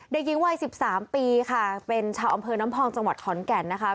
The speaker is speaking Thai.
เด็กหญิงวัย๑๓ปีค่ะเป็นชาวอำเภอน้ำพองจังหวัดขอนแก่นนะคะ